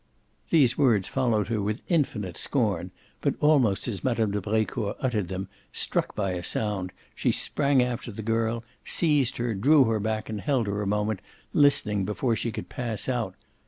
These words followed her with infinite scorn, but almost as Mme. de Brecourt uttered them, struck by a sound, she sprang after the girl, seized her, drew her back and held her a moment listening before she could pass out.